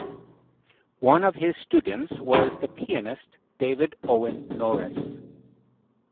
One of his students was the pianist David Owen Norris.